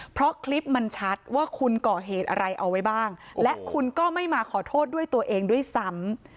เพราะคลิปมันชัดว่าคุณก่อเหตุอะไรเอาไว้บ้างและคุณก็ไม่มาขอโทษด้วยตัวเองด้วยซ้ำ